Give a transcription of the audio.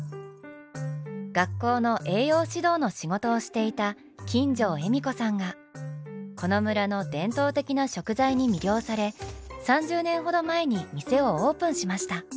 学校の栄養指導の仕事をしていた金城笑子さんがこの村の伝統的な食材に魅了され３０年ほど前に店をオープンしました。